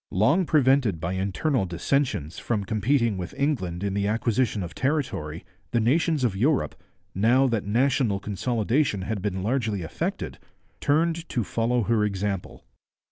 Long prevented by internal dissensions from competing with England in the acquisition of territory, the nations of Europe, now that national consolidation had been largely effected, turned to follow her example.